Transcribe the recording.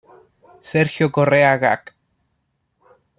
Sergio Correa Gac.